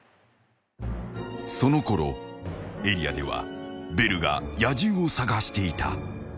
［そのころエリアではベルが野獣を捜していた］